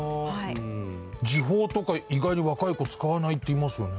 時報とか意外に若い子使わないって言いますよね。